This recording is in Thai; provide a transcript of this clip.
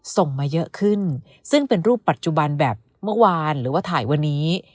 ส่งมาเยอะขึ้นซึ่งเป็นรูปปัจจุบันแบบเมื่อวานหรือว่าถ่ายวันนี้